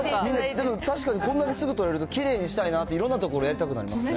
でも確かにこんなにすぐ取れると、きれいにしたいなって、いろんな所やりたくなりますね。